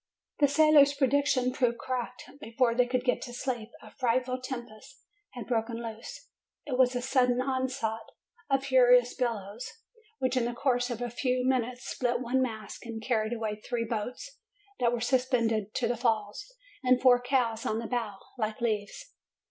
The sailor's prediction proved correct. Before they could get to sleep, a frightful tempest had broken loose. It was a sudden onslaught of furious billows, which in the course of a few minutes split one mast, and carried away three boats that were suspended to the falls, and four cows on the bow, like leaves.